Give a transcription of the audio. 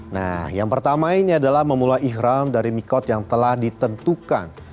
nah yang pertama ini adalah memulai ikhram dari mikot yang telah ditentukan